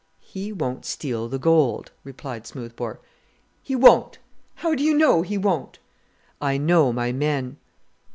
"He won't steal the gold," replied Smoothbore. "He won't! How do you know he won't?" "I know my men!"